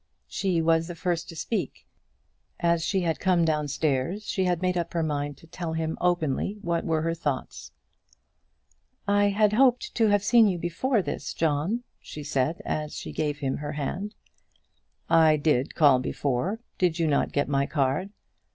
She was the first to speak. As she had come downstairs, she had made up her mind to tell him openly what were her thoughts. "I had hoped to have seen you before this, John," she said, as she gave him her hand. "I did call before. Did you not get my card?"